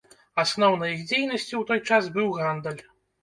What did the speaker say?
Асноўнай іх дзейнасцю ў той час быў гандаль.